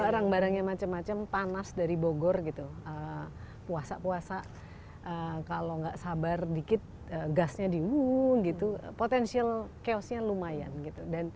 barang barangnya macam macam panas dari bogor gitu puasa puasa kalau nggak sabar dikit gasnya di wuh gitu potensial chaosnya lumayan gitu